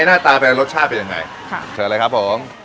หน้าตาเป็นรสชาติเป็นยังไงค่ะเชิญเลยครับผม